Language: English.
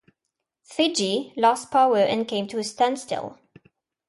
"Fiji" lost power and came to a standstill.